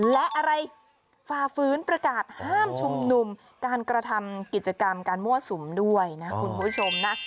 และอะไรฝ่าฝืนประกาศห้ามชุมนุมการกระทำกิจกรรมการมั่วสุมด้วยนะคุณผู้ชมนะ